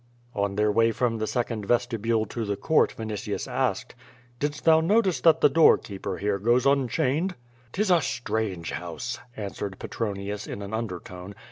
On their way from the second vestibule to the court Vini tius asked: "Didst thou notice that the door keeper here goes un chained?" " ^Tis a strange house," answered Petronius in an under tone.